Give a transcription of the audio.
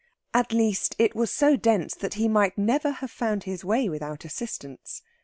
At least, it was so dense that he might never have found his way without assistance.